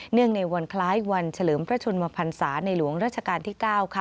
เนื่องในวันคล้ายวันเฉลิมพระชุนมภัณฑาในหลวงรัชกาลที่๙